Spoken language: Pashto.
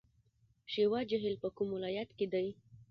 شیوا جهیل په کوم ولایت کې دی؟